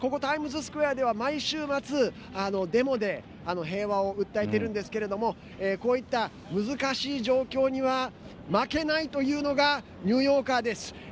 タイムズスクエアでは、毎週末デモで平和を訴えているんですけどもこういった、難しい状況には負けないというのがニューヨーカーです。